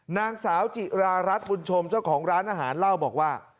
นางสาวจิรารัฐบุญชมเจ้าของร้านอาหารเล่าบอกว่า